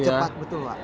lebih cepat betul pak